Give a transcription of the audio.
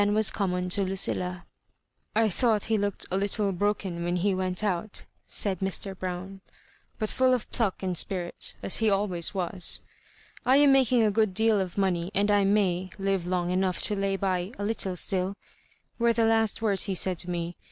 was common to Lucilla. Digitized by VjOOQIC MISS MABJOBIBANE& 151 ^ I thought he looked a little broken when he went out," said Mr. Brown, *'but full of pluck aud spirit) aa he always waa. ' I am making a good deal of money, and I may live long enough to lay by a little still,' were the last words he said to me.